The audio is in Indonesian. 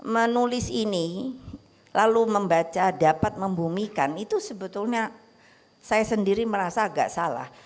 menulis ini lalu membaca dapat membumikan itu sebetulnya saya sendiri merasa agak salah